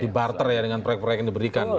di barter ya dengan proyek proyek yang diberikan